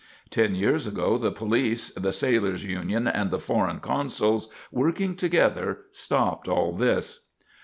Ten years ago the police, the Sailors' Union, and the foreign consuls, working together, stopped all this.